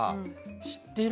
知ってる？